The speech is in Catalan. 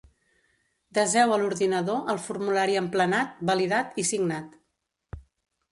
Deseu a l'ordinador el formulari emplenat, validat i signat.